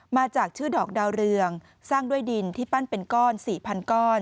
มาจากชื่อดอกดาวเรืองสร้างด้วยดินที่ปั้นเป็นก้อน๔๐๐ก้อน